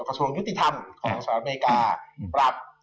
ของสวัสดีอเมริกาปรับ